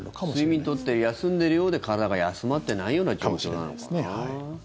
睡眠取って休んでるようで体が休まってないような状況なのかな。